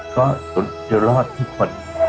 ก็จะรอดทุกคน